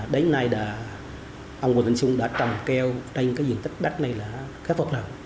đến nay ông quỳnh định xuân đã trầm kêu trên diện tích đất này là khai phục hồi